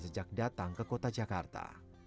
sejak datang ke kota jakarta